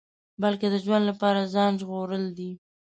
بلکې د ژوند لپاره ځان ژغورل دي.